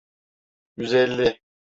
Yüz elli.